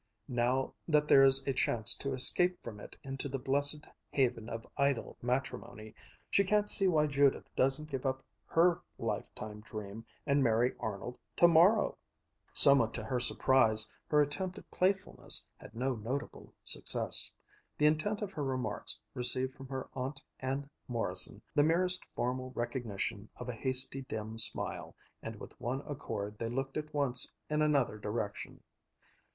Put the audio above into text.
Now that there's a chance to escape from it into the blessed haven of idle matrimony, she can't see why Judith doesn't give up her lifetime dream and marry Arnold tomorrow." Somewhat to her surprise, her attempt at playfulness had no notable success. The intent of her remarks received from her aunt and Morrison the merest formal recognition of a hasty, dim smile, and with one accord they looked at once in another direction.